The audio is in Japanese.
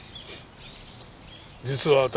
実は私。